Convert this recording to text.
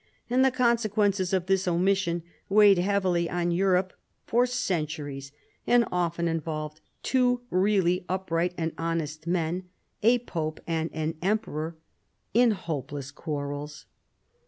And the consequences of this omission weighed heavily on Europe for centuries, and often involved two real ly upright and honest men, a Pope and an Emperor, in hopeless quarrels.